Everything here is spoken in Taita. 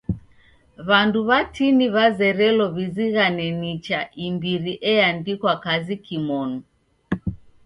W'andu watini w'azerelo w'izighane nicha imbiri eandikwa kazi kimonu.